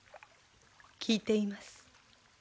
聞いています。